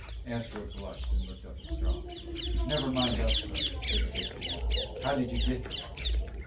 Astro blushed and looked up at Strong. "Never mind us, sir," said the big cadet. "How did you get here!"